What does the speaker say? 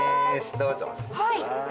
どうぞ。